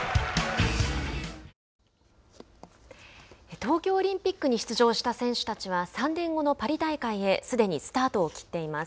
東京オリンピックに出場した選手たちは３年後のパリ大会へすでにスタートを切っています。